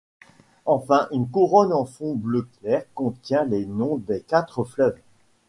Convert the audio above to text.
Enfin une couronne en fond bleu clair contient les noms des quatre fleuves.